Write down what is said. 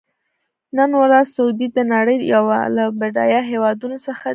نن ورځ سعودي د نړۍ یو له بډایه هېوادونو څخه دی.